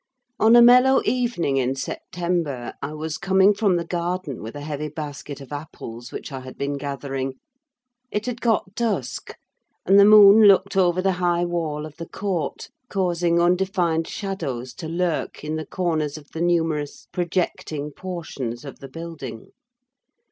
On a mellow evening in September, I was coming from the garden with a heavy basket of apples which I had been gathering. It had got dusk, and the moon looked over the high wall of the court, causing undefined shadows to lurk in the corners of the numerous projecting portions of the building.